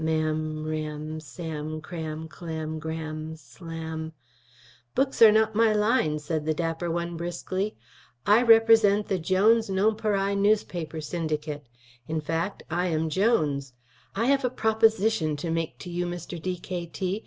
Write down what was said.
Ma'am, ram, Sam, cram, clam, gram, slam " "Books are not my line," said the dapper one briskly. "I represent the Jones Nonpareil Newspaper Syndicate. In fact, I am Jones. I have a proposition to make to you, Mr. D.K.T.